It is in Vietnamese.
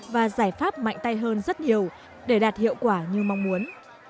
và giải pháp mạnh tay hơn rất nhiều để đạt hiệu quả như mong muốn